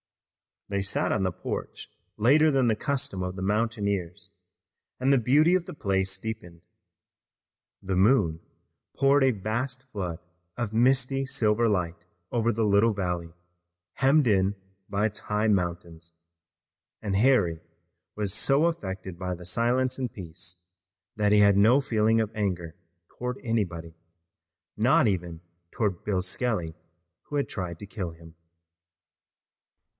They sat on the porch later than the custom of the mountaineers, and the beauty of the place deepened. The moon poured a vast flood of misty, silver light over the little valley, hemmed in by its high mountains, and Harry was so affected by the silence and peace that he had no feeling of anger toward anybody, not even toward Bill Skelly, who had tried to kill him.